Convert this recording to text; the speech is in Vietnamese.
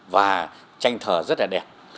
và tranh thờ rất là đẹp